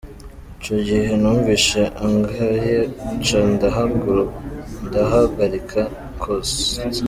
"Ico gihe numvise angaye, nca ndahagarika kwonsa.